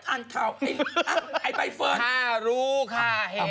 ลูกสาวก็เลยอยู่ในตึกสิ